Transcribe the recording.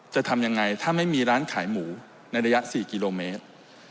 จะทำยังไงถ้าไม่มีร้านขายหมูในระยะ๔กิโลเมตร